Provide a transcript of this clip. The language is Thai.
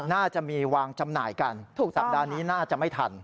น่าจะมีวางจำหน่ายกันสัปดาห์นี้น่าจะไม่ทัน